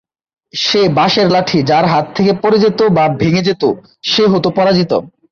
সে বাঁশের লাঠি যার হাত থেকে পরে যেত বা ভেঙে যেত সে হত পরাজিত।